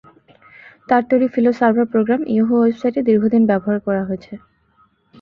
তাঁর তৈরি Filo server program Yahoo ওয়েবসাইটে দীর্ঘদিন ব্যবহার করা হয়েছে।